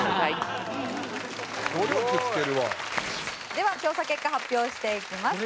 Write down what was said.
では調査結果発表していきます。